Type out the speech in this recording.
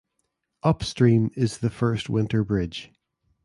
Upstream is the First Winter Bridge.